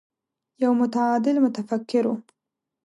يو متعادل متفکر و.